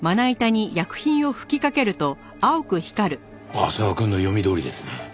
浅輪くんの読みどおりですね。